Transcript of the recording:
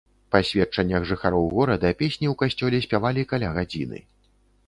Па сведчаннях жыхароў горада, песні ў касцёле спявалі каля гадзіны.